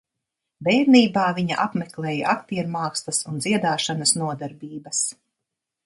Bērnībā, viņa apmeklēja aktiermākslas un dziedāšanas nodarbības.